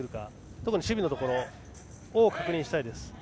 特に守備のところを確認したいです。